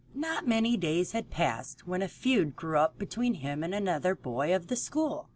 Not many days had passed when a feud grew up between him and another boy of the school.